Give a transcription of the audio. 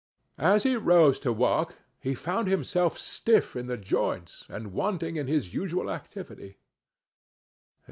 As he rose to walk, he found himself stiff in the joints, and wanting in his usual activity.